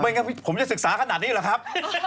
งั้นผมจะศึกษาขนาดนี้หรอครับ